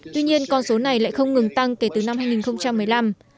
tuy nhiên con số này lại không ngừng tăng kể từ năm hai nghìn một mươi năm